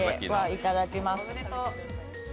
いただきます。